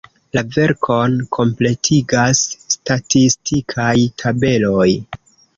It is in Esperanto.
La verkon kompletigas statistikaj tabeloj.